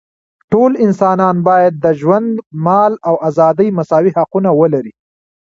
ټول انسانان باید د ژوند، مال او ازادۍ مساوي حقونه ولري.